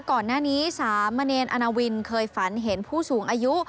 ก่อนหน้านี้สามเณรอาณาวินเคยฝันเห็นผู้สูงอายุ